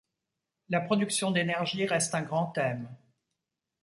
La production d'énergie reste un grand thème.